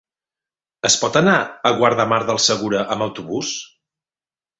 Es pot anar a Guardamar del Segura amb autobús?